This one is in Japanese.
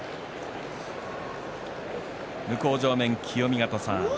向正面の清見潟さん